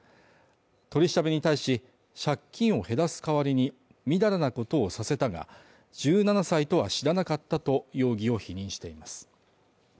取り調べに対し、借金を減らす代わりにみだらなことをさせたが、１７歳とは知らなかったと容疑を否認しています。